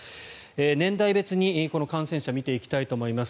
年代別に感染者を見ていきたいと思います。